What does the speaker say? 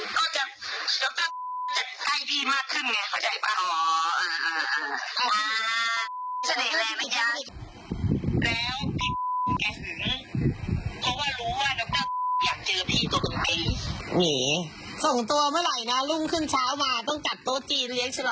ต้องจัดโต๊ะจีนเลี้ยงเฉลาน้องนี่